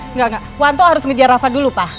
engga engga wanto harus ngejar rafa dulu pa